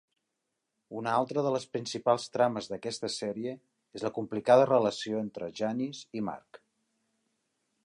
Una altra de les principals trames d'aquesta sèrie és la complicada relació entre Janis i Marc.